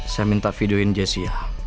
saya minta videoin jessy ya